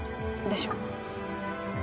でしょ？